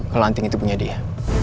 kalau anting itu punya dia